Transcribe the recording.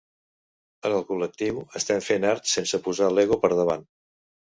En el col·lectiu estem fent art sense posar l'ego per davant.